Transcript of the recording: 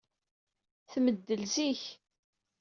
Tmeddel zik.